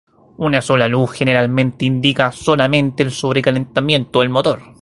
Una sola luz generalmente indica solamente el sobrecalentamiento del motor.